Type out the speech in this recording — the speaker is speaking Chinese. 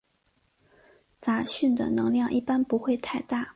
杂讯的能量一般不会太大。